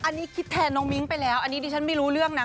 อันนี้คิดแทนน้องมิ้งไปแล้วอันนี้ดิฉันไม่รู้เรื่องนะ